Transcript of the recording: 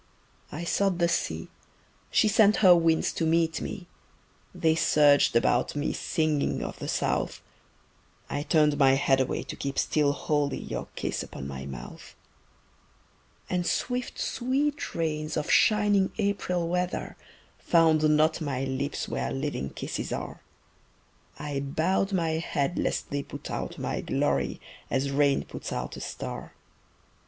I sought the sea, she sent her winds to meet me, They surged about me singing of the south I turned my head away to keep still holy Your kiss upon my mouth. And swift sweet rains of shining April weather Found not my lips where living kisses are; I bowed my head lest they put out my glory As rain puts out a star.